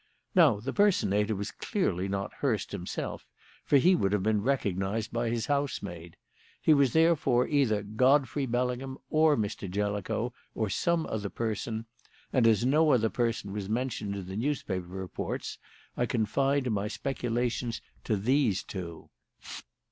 "Now, the personator was clearly not Hurst himself, for he would have been recognised by his housemaid; he was therefore either Godfrey Bellingham or Mr. Jellicoe or some other person; and as no other person was mentioned in the newspaper reports I confined my speculations to these two.